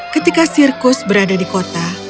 ketika sirkus berada di kota